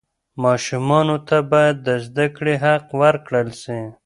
ماشومانو ته باید د زده کړې حق ورکړل سي.